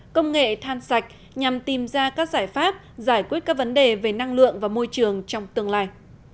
công nghệ than sạch nhằm tìm ra các giải pháp giải quyết các vấn đề về năng lượng và môi trường trong tương lai